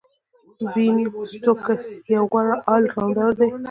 بین سټوکس یو غوره آل راونډر دئ.